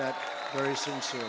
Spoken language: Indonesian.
saya berarti itu dengan sangat jujur